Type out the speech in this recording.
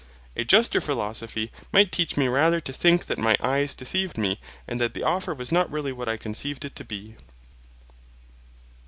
A juster philosophy might teach me rather to think that my eyes deceived me and that the offer was not really what I conceived it to be.